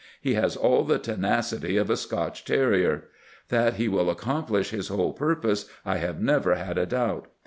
He has all the tenacity of a Scotch terrier. That he will accomplish his whole purpose I have never had a doubt.